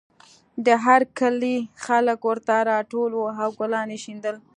د هر کلي خلک ورته راټول وو او ګلان یې شیندل